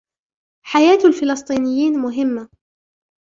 حياة الفلسطينيين مهمة.